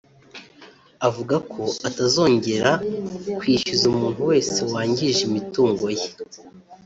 avuga ko atazongera kwishyuza umuntu wese wangije imitungo ye